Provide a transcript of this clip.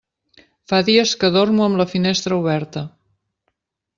Fa dies que dormo amb la finestra oberta.